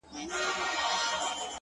اوس و شپې ته هيڅ وارخطا نه يمه”